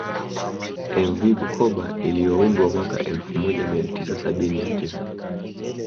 Mv Bukoba iliyoundwa mwaka elfu moja mia tisa sabini na tisa